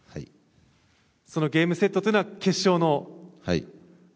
そのゲームセットというのは、決勝の？